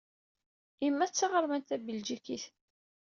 Emma d taɣermant tabeljikit.